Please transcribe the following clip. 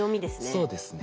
そうですね。